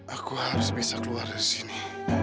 aku harus bisa keluar dari sini